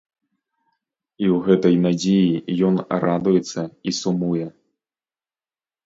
І ў гэтай надзеі ён радуецца і сумуе.